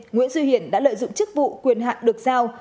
nguyễn duy hiển đã lợi dụng chức vụ quyền hạn được giao